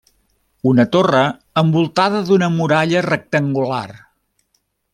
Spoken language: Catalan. Una torre envoltada d'una muralla rectangular.